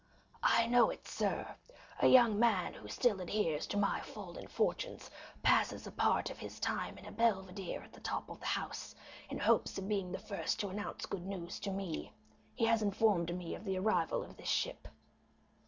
"I know it, sir; a young man, who still adheres to my fallen fortunes, passes a part of his time in a belvedere at the top of the house, in hopes of being the first to announce good news to me; he has informed me of the arrival of this ship."